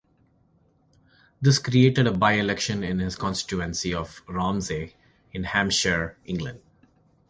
This created a by-election in his constituency of Romsey in Hampshire, England.